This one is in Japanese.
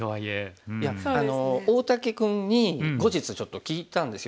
大竹君に後日ちょっと聞いたんですよ。